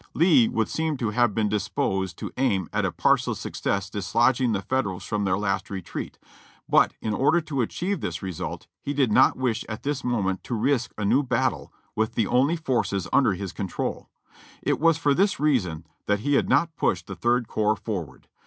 Lee would seem to have been disposed to aim at a partial success dislodging the Federals from their last retreat, but in order to achieve this result he did not wish at this moment to risk a new battle with the only forces under his control. It was for this reason that he had not pushed the Third Corps forward.